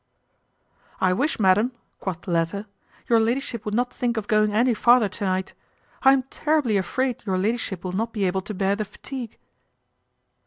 "I wish, madam," quoth the latter, "your ladyship would not think of going any farther to night. I am terribly afraid your ladyship will not be able to bear the fatigue."